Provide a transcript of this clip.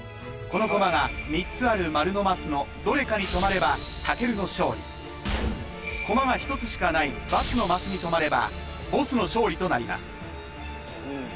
このコマが３つある丸のマスのどれかに止まれば健の勝利コマが１つしかないバツのマスに止まればボスの勝利となります